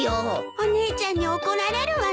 お姉ちゃんに怒られるわね。